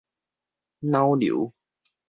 腦瘤